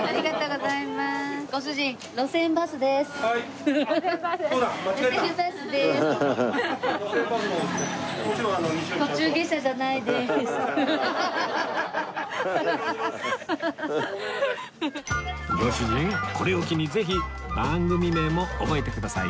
ご主人これを機にぜひ番組名も覚えてくださいね